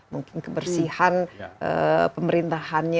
mungkin kebersihan pemerintahannya